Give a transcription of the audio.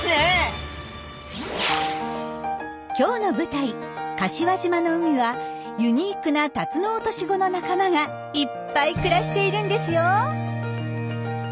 今日の舞台柏島の海はユニークなタツノオトシゴの仲間がいっぱい暮らしているんですよ。